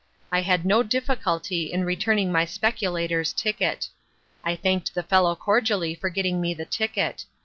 I had no difficulty in returning my speculator's ticket. I thanked the fellow cordially for getting me the ticket.